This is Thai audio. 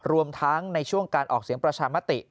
รวมทั้งในช่วงการออกเสียงประชามติ